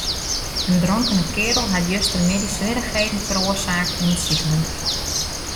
In dronkene kearel hat justermiddei swierrichheden feroarsake yn it sikehús.